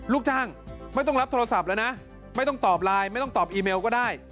ลูกจ้างไม่ต้องรับโทรศัพท์แล้วนะไม่ต้องตอบไลน์ไม่ต้องตอบอีเมลก็ได้